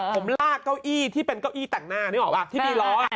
ผมลากเก้าอี้ที่เป็นเก้าอี้แต่งหน้านึกออกป่ะที่มีล้อ